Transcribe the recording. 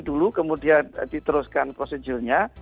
dulu kemudian diteruskan prosedurnya